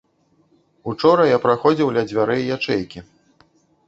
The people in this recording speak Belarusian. Учора я праходзіў ля дзвярэй ячэйкі.